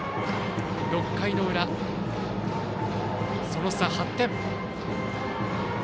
６回の裏、その差は８点。